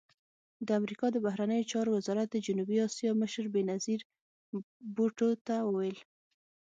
د امریکا د بهرنیو چارو وزارت د جنوبي اسیا مشر بېنظیر بوټو ته وویل